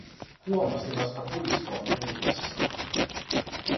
Huomasi vasta puistoon tullessaan.